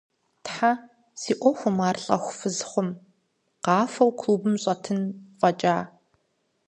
Тхьэ, си ӏуэхум ар лӏэху фыз хъум, къафэу клубым щӏэтын фӏэкӏа…